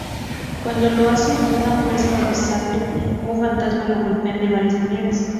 Cuando lo hace, una fuerza invisible o un fantasma lo golpean de varias maneras.